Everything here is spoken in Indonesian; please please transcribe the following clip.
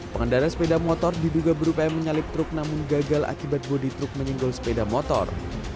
pengendara sepeda motor diduga berupaya menyalip truk namun gagal akibat bodi truk menyinggol sepeda motor